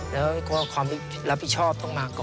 แล้วก็ความรับผิดชอบ